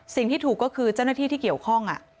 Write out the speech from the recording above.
สิ่งที่ถูกก็คือเจ้าหน้าที่ที่เกี่ยวข้อง